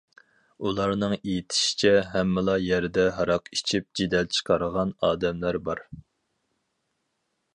ئۇلارنىڭ ئېيتىشىچە ھەممىلا يەردە ھاراق ئىچىپ جېدەل چىقارغان ئادەملەر بار.